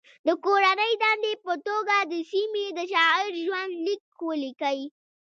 د کورنۍ دندې په توګه د سیمې د شاعر ژوند لیک ولیکئ.